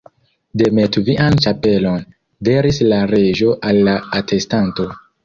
"Demetu vian ĉapelon," diris la Reĝo al la atestanto.